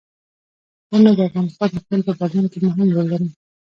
غرونه د افغانستان د اقلیم په بدلون کې مهم رول لري.